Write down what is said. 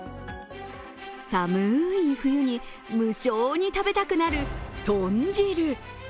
寒い冬に無性に食べたくなる豚汁。